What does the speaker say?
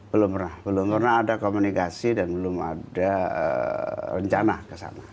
belum pernah belum pernah ada komunikasi dan belum ada rencana ke sana